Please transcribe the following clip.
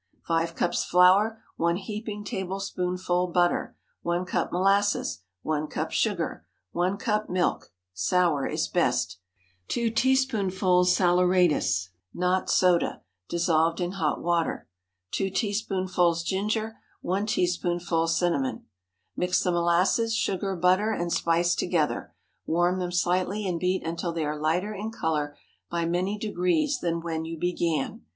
_)✠ 5 cups flour. 1 heaping tablespoonful butter. 1 cup molasses. 1 cup sugar. 1 cup milk (sour is best). 2 teaspoonfuls saleratus, not soda, dissolved in hot water. 2 teaspoonfuls ginger. 1 teaspoonful cinnamon. Mix the molasses, sugar, butter, and spice together; warm them slightly, and beat until they are lighter in color by many degrees than when you began.